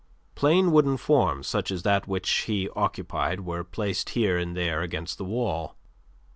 Plain wooden forms such as that which he occupied were placed here and there against the wall.